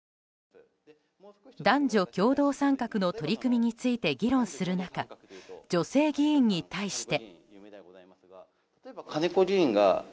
男女共同参画の取り組みについて議論する中女性議員に対して。